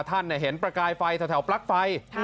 ท่านเห็นประกายไฟแถวปลั๊กไฟ